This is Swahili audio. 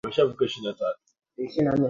Ali ameugua.